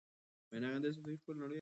دا کارنامه باید هېره نه سي.